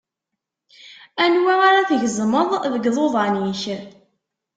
Anwa ar ad tgezmeḍ deg iḍudan-ik?